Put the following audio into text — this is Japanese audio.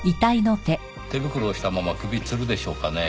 手袋をしたまま首吊るでしょうかね？